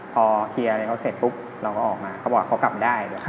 พอเคลียร์อะไรเขาเสร็จปุ๊บเราก็ออกมาเขาบอกเขากลับได้